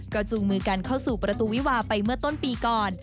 จูงมือกันเข้าสู่ประตูวิวาไปเมื่อต้นปีก่อน